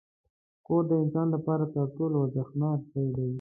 کور د انسان لپاره تر ټولو ارزښتناک ځای دی.